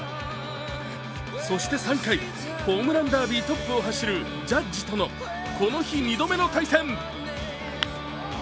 そして３回、ホームランダービートップを走るジャッジとのこの日２度目の対戦。